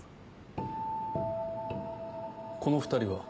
この２人は？